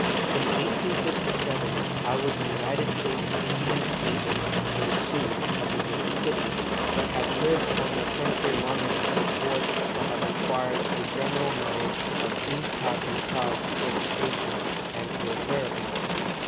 In 1857 I was United States Indian agent for the Sioux of the Mississippi, but had lived on the frontier long enough before to have acquired a general knowledge of Ink pa du ta's reputation and his whereabouts.